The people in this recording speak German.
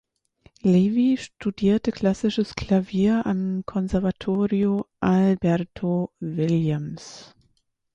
Levy studierte klassisches Klavier am "Conservatorio Alberto Williams".